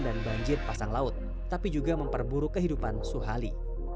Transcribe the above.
banjir pasang laut tapi juga memperburuk kehidupan suhali